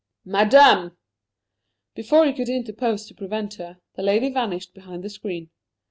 "Madame!" Before he could interpose to prevent her, the lady vanished behind the screen.